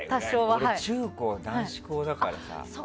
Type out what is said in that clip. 俺、中高と男子校だからさ。